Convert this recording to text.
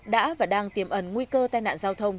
đã và đang tiềm ẩn nguy cơ tai nạn giao thông